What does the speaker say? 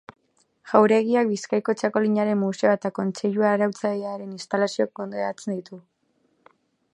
Jauregiak Bizkaiko Txakolinaren Museoa eta Kontseilu Arautzailearen instalazioak kudeatzen ditu.